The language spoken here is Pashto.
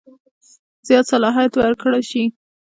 زیات صلاحیت ورکړه شي.